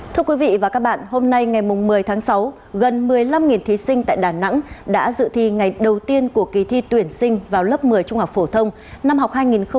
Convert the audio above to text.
thưa quý vị và các bạn hôm nay ngày một mươi tháng sáu gần một mươi năm thí sinh tại đà nẵng đã dự thi ngày đầu tiên của kỳ thi tuyển sinh vào lớp một mươi trung học phổ thông năm học hai nghìn hai mươi hai nghìn hai mươi